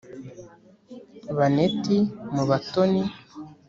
baneti mu batoni